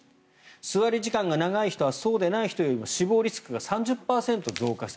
座り時間が長い人はそうでない人よりも死亡リスクが３０％増加した。